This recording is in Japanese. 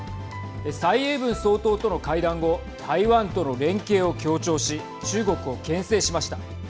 蔡英文総統との会談後台湾との連携を強調し中国をけん制しました。